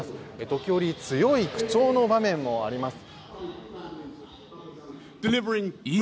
時折、強い口調の場面もあります。